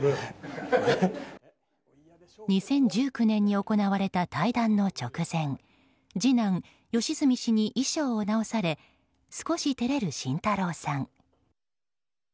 ２０１９年に行われた対談の直前次男・良純氏に衣装を直され少し照れる慎太郎さん。